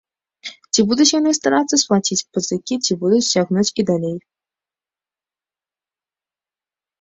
Ці будуць яны старацца сплаціць пазыкі, ці будуць цягнуць і далей?